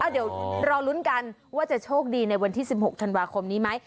เดี๋ยวรอลุ้นกันว่าจะโชคดีในวันที่๑๖ธันวาคมนี้ไหม